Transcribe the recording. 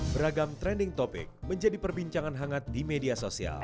beragam trending topic menjadi perbincangan hangat di media sosial